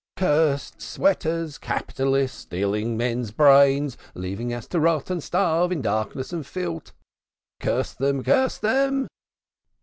"Cursed sweaters capitalists stealing men's brains leaving us to rot and starve in darkness and filth. Curse them! Curse them!"